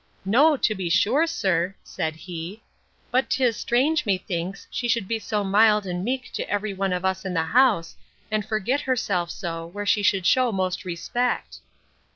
No, to be sure, sir, said he: but 'tis strange, methinks, she should be so mild and meek to every one of us in the house, and forget herself so, where she should shew most respect!